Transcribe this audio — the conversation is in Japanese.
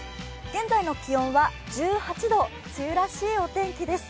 現在の気温は１８度、梅雨らしいお天気です。